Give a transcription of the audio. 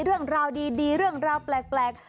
เรื่องราวดีเรื่องราวแปลก